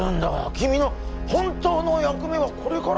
君の本当の役目はこれからだろう